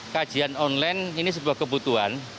kajian online ini sebuah kebutuhan